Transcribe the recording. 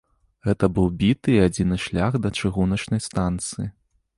Гэта быў біты і адзіны шлях да чыгуначнай станцыі.